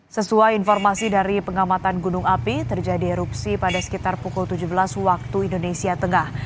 sesuai informasi dari pengamatan gunung api terjadi erupsi pada sekitar pukul tujuh belas waktu indonesia tengah